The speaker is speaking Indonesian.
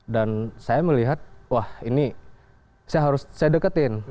dan saya melihat wah ini saya harus saya deketin